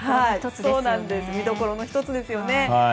見どころの１つですよね。